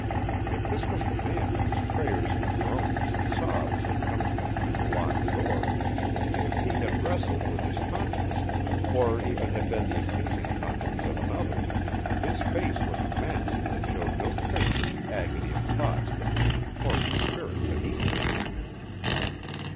If this was the man whose prayers and groans and sobs had come to me through the locked door, if he had wrestled with his conscience or even had been the accusing conscience of another, his face was a mask that showed no trace of the agony of thoughts that might contort the spirit beneath it.